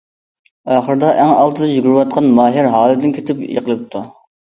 ئاخىرىدا ئەڭ ئالدىدا يۈگۈرۈۋاتقان ماھىر ھالىدىن كېتىپ يىقىلىپتۇ.